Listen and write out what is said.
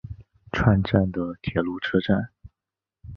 串站的铁路车站。